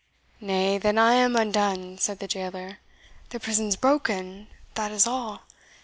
"Nay, then I am undone," said the jailer; "the prison's broken, that is all.